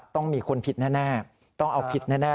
ต้องมีคนผิดแน่ต้องเอาผิดแน่